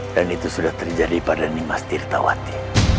dan itu sudah terjadi pada nimas tirtawati